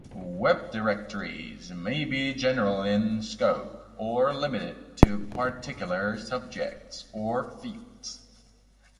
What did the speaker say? Web directories may be general in scope, or limited to particular subjects or fields.